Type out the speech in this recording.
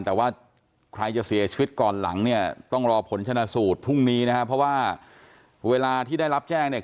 แต่ว่าใครจะเสียชีวิตก่อนหลังเนี่ยต้องรอผลชนะสูตรพรุ่งนี้นะครับเพราะว่าเวลาที่ได้รับแจ้งเนี่ย